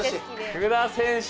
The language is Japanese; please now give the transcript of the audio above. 福田選手！